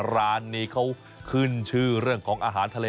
ร้านนี้เขาขึ้นชื่อเรื่องของอาหารทะเล